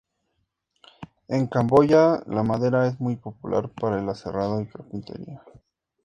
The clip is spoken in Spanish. En Camboya la madera es muy popular para el aserrado y carpintería.